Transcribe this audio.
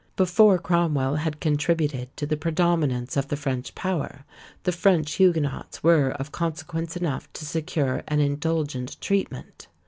Before Cromwell had contributed to the predominance of the French power, the French Huguenots were of consequence enough to secure an indulgent treatment.